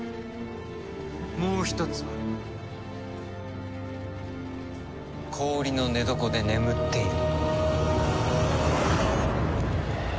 もう一つは氷の寝床で眠っている。